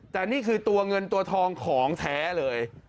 แต่นี่คือตัวเงินตัวทองของแท้เลย